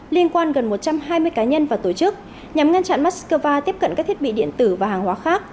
liên quan gần một trăm hai mươi cá nhân và tổ chức nhằm ngăn chặn moscow tiếp cận các thiết bị điện tử và hàng hóa khác